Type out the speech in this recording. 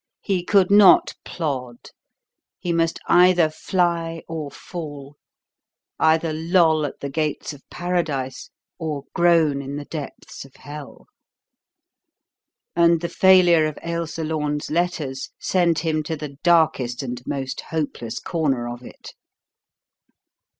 He could not plod; he must either fly or fall; either loll at the Gates of Paradise or groan in the depths of Hell. And the failure of Ailsa Lorne's letters sent him to the darkest and most hopeless corner of it.